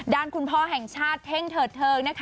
ด้านคุณพ่อแห่งชาติเท่งเถิดเทิงนะคะ